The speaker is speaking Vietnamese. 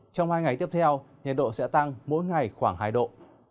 trong hai ngày tiếp theo nhiệt độ sẽ tăng mỗi ngày khoảng hai độ